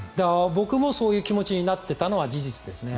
僕もそういう気持ちになっていたのは事実ですね。